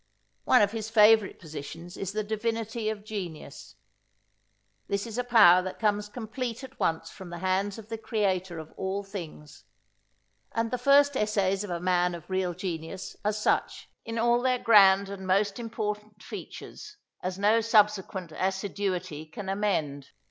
One of his favourite positions is the divinity of genius. This is a power that comes complete at once from the hands of the Creator of all things, and the first essays of a man of real genius are such, in all their grand and most important features, as no subsequent assiduity can amend.